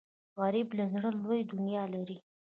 غریب له زړه لوی دنیا لري